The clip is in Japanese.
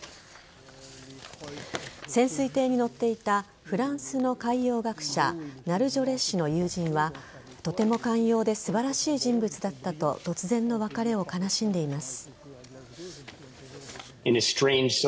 潜水艇に乗っていたフランスの海洋学者ナルジョレ氏の友人はとても寛容で素晴らしい人物だったと突然の別れを悲しんでいます。